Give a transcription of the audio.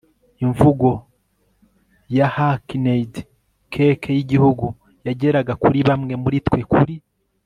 imvugo ya hackneyed 'cake yigihugu' yageraga kuri bamwe muritwe kuri